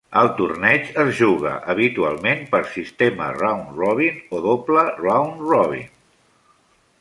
El torneig es juga habitualment per sistema round-robin o doble round-robin.